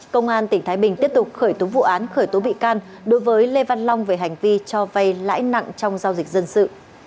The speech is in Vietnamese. công an tỉnh thái bình tiếp tục khởi tố vụ án khởi tố bị can đối với lê văn long về hành vi cho vay lãi nặng trong giao dịch dân sự